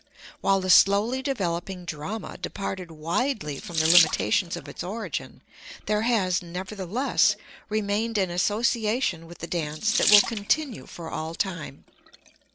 While the slowly developing drama departed widely from the limitations of its origin, there has, nevertheless, remained an association with the dance that will continue for all time.